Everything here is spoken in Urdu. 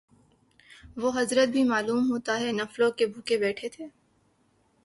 وہ حضرت بھی معلوم ہوتا ہے نفلوں کے بھوکے بیٹھے تھے